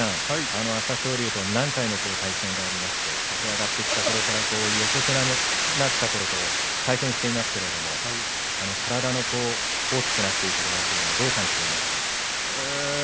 朝青龍と何回も対戦がありまして駆け上がってきたころから横綱になったころから対戦していますが体の大きくなっていく具合どう感じていましたか。